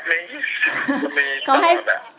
มีครับมี